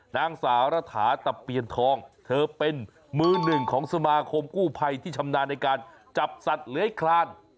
นางสาวรัฐาตะเปียนทองเธอเป็นมือหนึ่งของสมาคมกู้ภัยที่ชำนาญในการจับสัตว์เลื้อยคลาน